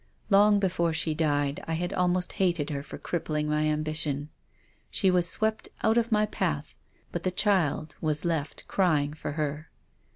Long before she died I had almost hated her for crippling my ambition. She was swept out of my path. But the child was left crying for her."